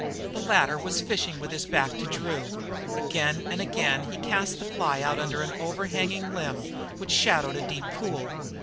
The latter was fishing, with his back to Drew. Again and again he cast his fly out under an overhanging limb which shadowed a deep pool.